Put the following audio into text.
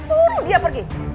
suruh dia pergi